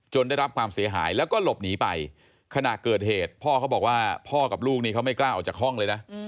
ได้รับความเสียหายแล้วก็หลบหนีไปขณะเกิดเหตุพ่อเขาบอกว่าพ่อกับลูกนี้เขาไม่กล้าออกจากห้องเลยนะ